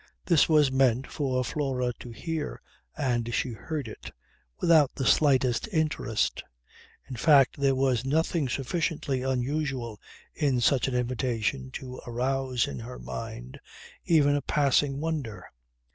This was meant for Flora to hear, and she heard it without the slightest interest. In fact there was nothing sufficiently unusual in such an invitation to arouse in her mind even a passing wonder.